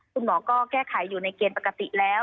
คุณหมอก็แก้ไขอยู่ในเกณฑ์ปกติแล้ว